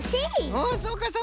おそうかそうか。